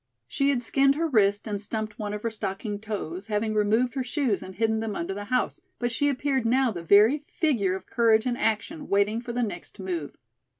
She had skinned her wrist and stumped one of her stockinged toes, having removed her shoes and hidden them under the house, but she appeared now the very figure of courage and action, waiting for the next move.